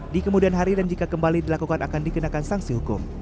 di kemudian hari dan jika kembali dilakukan akan dikenakan sanksi hukum